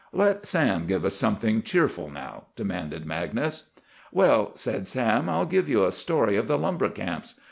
"Let Sam give us something cheerful now!" demanded Magnus. "Well," said Sam, "I'll give you a story of the lumber camps.